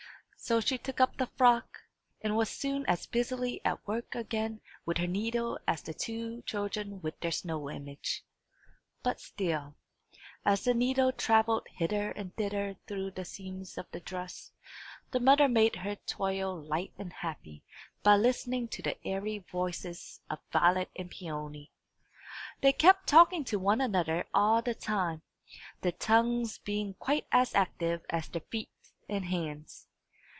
So she took up the frock, and was soon as busily at work again with her needle as the two children with their snow image. But still, as the needle travelled hither and thither through the seams of the dress, the mother made her toil light and happy by listening to the airy voices of Violet and Peony. They kept talking to one another all the time, their tongues being quite as active as their feet and hands.